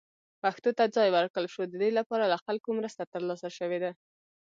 پښتو ته ځای ورکړل شو، د دې لپاره له خلکو مرسته ترلاسه شوې ده.